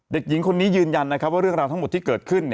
เด็กหญิงคนนี้ยืนยันว่าเรื่องราวทั้งหมดที่เกิดขึ้น